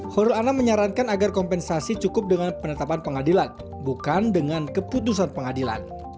horul anam menyarankan agar kompensasi cukup dengan penetapan pengadilan bukan dengan keputusan pengadilan